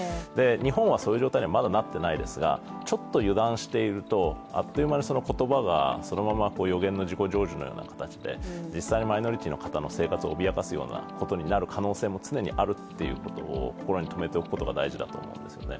日本はそういう状態にはまだなってないですがちょっと油断しているとあっという間に言葉がそのまま予言の自己成就のような形で実際にマイノリティーの人の生活を脅かす可能性があるということを心にとめておく必要があると思うんですね。